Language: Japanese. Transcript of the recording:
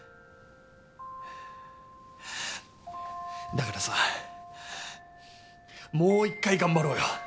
だからさもう一回頑張ろうよ。